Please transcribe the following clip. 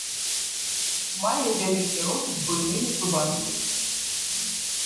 Мае вялікі рот з буйнымі зубамі.